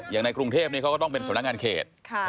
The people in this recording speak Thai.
อย่างในกรุงเทพเนี้ยเค้าก็ต้องเป็นสำนักงานเขต